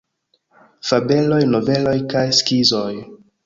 Fabeloj, Noveloj kaj Skizoj.